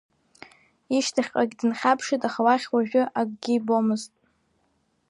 Ишьҭахьҟагьы дынхьаԥшит, аха уахь уажәы акгьы ибомызт.